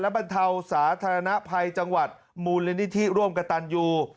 บรรเทาสาธารณภัยจังหวัดมูลนิธิร่วมกับตันยู